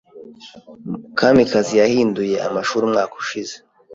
Kamikazi yahinduye amashuri umwaka ushize.